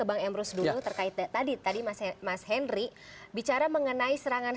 blunder tersendiri benar gak